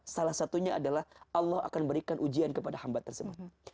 salah satunya adalah allah akan berikan ujian kepada hamba tersebut